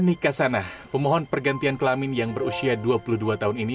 nikasanah pemohon pergantian kelamin yang berusia dua puluh dua tahun ini